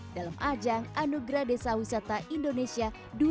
dalam ajang anugerah desa wisata indonesia dua ribu dua puluh